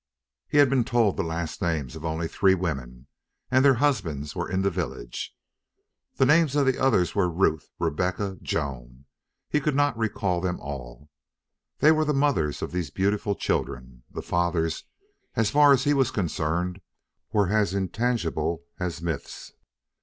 He had been told the last names of only three women, and their husbands were in the village. The names of the others were Ruth, Rebecca, Joan he could not recall them all. They were the mothers of these beautiful children. The fathers, as far as he was concerned, were as intangible as myths.